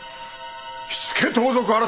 火付盗賊改である。